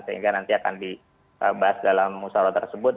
sehingga nanti akan dibahas dalam musawarah tersebut